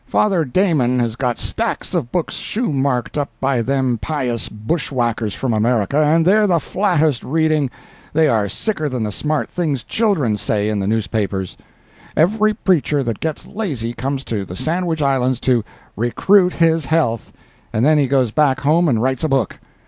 Father Damon has got stacks of books shoemakered up by them pious bushwhackers from America, and they're the flattest reading—they are sicker than the smart things children say in the newspapers. Every preacher that gets lazy comes to the Sandwich Islands to 'recruit his health,' and then he goes back home and writes a book.